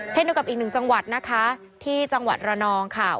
เช่นเดียวกับอีกหนึ่งจังหวัดนะคะที่จังหวัดระนองค่ะ